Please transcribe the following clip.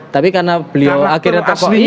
tapi karena beliau akhirnya terpilih